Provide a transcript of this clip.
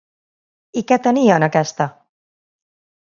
I què tenia en aquesta?